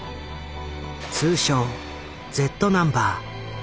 通称「Ｚナンバー」。